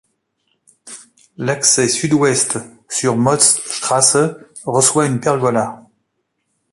L'accès sud-ouest sur Motzstraße reçoit une pergola.